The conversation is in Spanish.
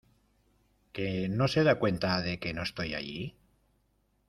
¿ Que no se da cuenta de que no estoy allí?